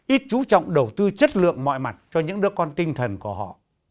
ít chú trọng đầu tư chất lượng mọi mặt cho những đứa con tinh thần của họ